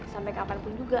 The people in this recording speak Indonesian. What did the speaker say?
sampai kapanpun juga